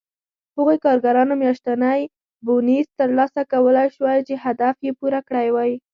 هغو کارګرانو میاشتنی بونېس ترلاسه کولای شوای چې هدف یې پوره کړی و